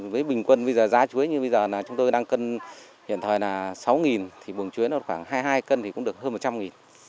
với bình quân bây giờ giá chuối như bây giờ là chúng tôi đang cân hiện thời là sáu thì buồng chuối khoảng hai mươi hai cân thì cũng được hơn một trăm linh